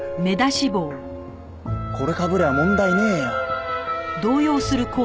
これかぶりゃ問題ねえよ。